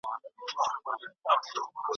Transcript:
که هدف وي نو وخت نه هسی تیریږي.